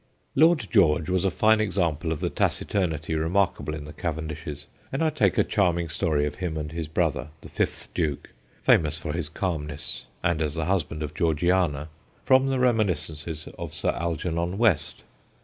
Lord George was a fine example of the taciturnity remarkable in the Cavendishes, and I take a charming story of him and his brother, the fifth Duke famous for his calmness and as the husband of Georgiana from the reminiscences of Sir Algernon West.